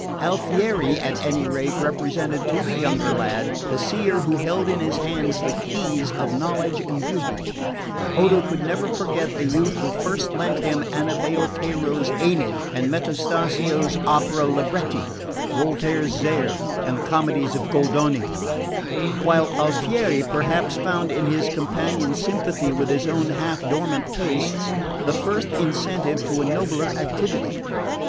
Alfieri, at any rate, represented to the younger lad the seer who held in his hands the keys of knowledge and beauty. Odo could never forget the youth who first leant him Annibale Caro's Aeneid and Metastasio's opera libretti, Voltaire's Zaire and the comedies of Goldoni; while Alfieri perhaps found in his companion's sympathy with his own half dormant tastes the first incentive to a nobler activity.